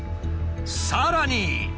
さらに。